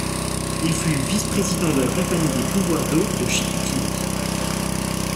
Il fut vice-président de la Compagnie des pouvoirs d'eau de Chicoutimi.